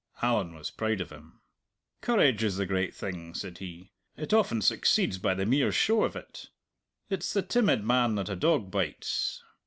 Allan was proud of him. "Courage is the great thing," said he. "It often succeeds by the mere show of it. It's the timid man that a dog bites.